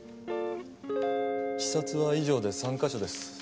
視察は以上で３カ所です。